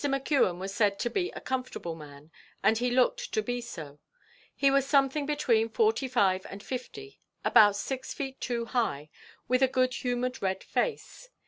McKeon was said to be a comfortable man, and he looked to be so; he was something between forty five and fifty, about six feet two high, with a good humoured red face.